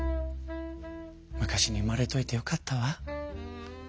昔に生まれといてよかったわ。